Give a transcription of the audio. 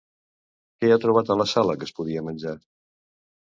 Què ha trobat a la sala que es podia menjar?